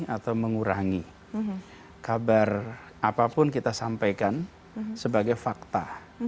atau mengurangi kabar apapun kita sampaikan sebagai fakta